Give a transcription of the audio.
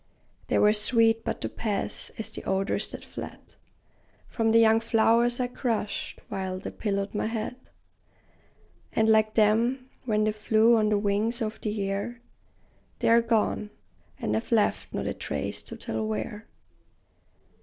They were sweet but to pass, as the odors that fled From the young flowers I crushed, while they pillowed my head; And like them, when they flew on the wings of the air, They are gone, and have left not a trace to tell where!